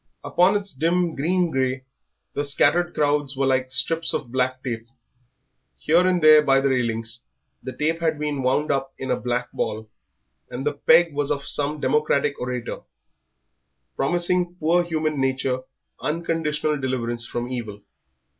Upon its dim green grey the scattered crowds were like strips of black tape. Here and there by the railings the tape had been wound up in a black ball, and the peg was some democratic orator, promising poor human nature unconditional deliverance from evil.